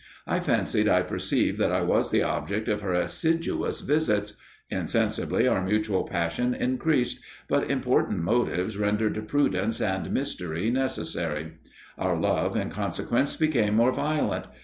I fancied I perceived that I was the object of her assiduous visits. Insensibly our mutual passion increased; but important motives rendered prudence and mystery necessary; our love in consequence became more violent.